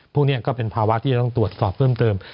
พวกนี้ก็เป็นภาวะที่จะต้องตรวจสอบเพิ่มเติม